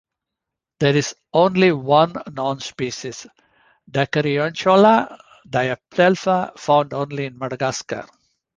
There is only one known species, Decaryochloa diadelpha, found only in Madagascar.